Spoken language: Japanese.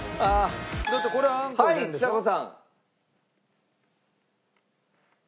はいちさ子さん。